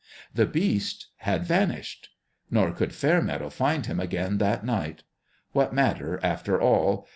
The Beast had vanished. Nor could Fair meadow find him again that night. What matter, after all